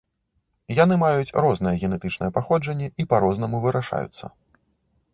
Яны маюць рознае генетычнае паходжанне і па-рознаму вырашаюцца.